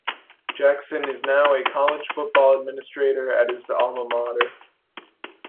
Jackson is now a college football administrator at his alma mater.